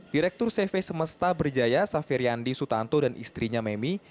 direktur cv semesta berjaya safir yandi sutanto dan istrinya memi